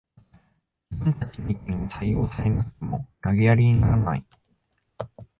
自分たちの意見が採用されなくても投げやりにならない